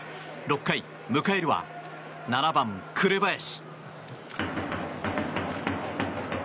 ６回、迎えるは７番、紅林。